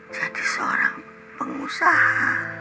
jadi seorang pengusaha